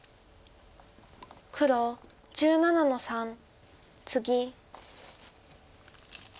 黒１７の三ツギ。